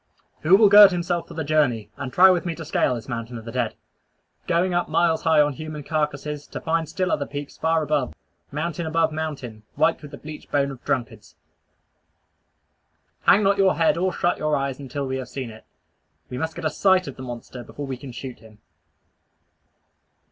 Who will gird himself for the journey, and try with me to scale this mountain of the dead going up miles high on human carcasses, to find still other peaks far above, mountain above mountain, white with the bleached bones of drunkards! Hang not your head or shut your eyes until we have seen it. We must get a sight at the monster before we can shoot him.